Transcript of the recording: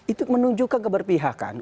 itu menunjukkan keberpihakan